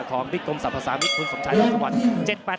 ของบิดกรมศัพท์ภาษามิตรคุณสมชัยธรรมวัน